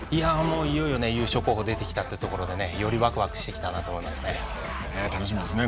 いよいよ優勝候補でてきたんだということでよりわくわくしてきたなと思いますね。